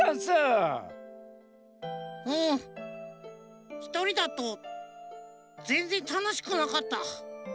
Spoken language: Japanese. うんひとりだとぜんぜんたのしくなかった。